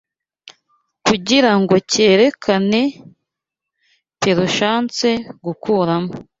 kugirango yerekane, peruchance Gukuramo